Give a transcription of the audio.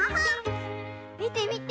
みてみて！